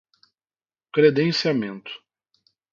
credenciamento